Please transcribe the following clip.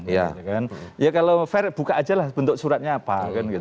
ya kalau fair buka aja lah bentuk suratnya apa